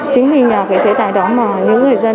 chính vì nhờ cái chế tài đó mà những người dân